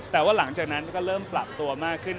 แต่ว่าหลังจากนั้นก็เริ่มปรับตัวมากขึ้น